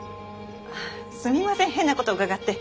すみません変なこと伺って。